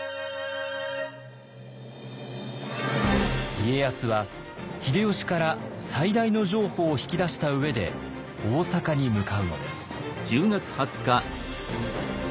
家康は秀吉から最大の譲歩を引き出した上で大坂に向かうのです。